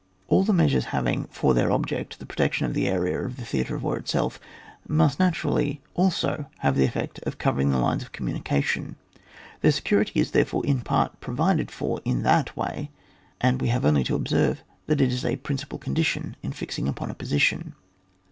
All the measures having for their ob ject the protection of the area of the theatre of war itself, must naturally also have the effect of covering the lines of communication; their security is there fore in part provided for in that way, and we have only to observe that it is a prin cipal condition in fixing upon a posi* tion.